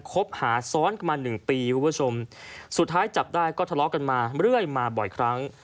คบหาซ้อนกันมา๑ปีสุดท้ายจับได้ก็ทะเลาะกันมาเรื่อยมาบ่อยครั้ง